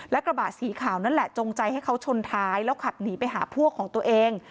และกระบะสีขาวนั่นแหละจงใจให้เขาชนท้ายแล้วขับหนีไปหาพวกของตัวเอง